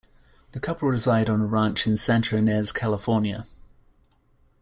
The couple reside on a ranch in Santa Ynez, California.